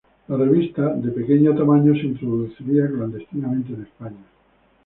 La revista, de pequeño tamaño, se introducía clandestinamente en España.